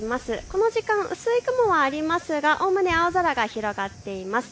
この時間、薄い雲ありますがおおむね青空が広がっています。